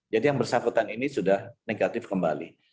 yang bersangkutan ini sudah negatif kembali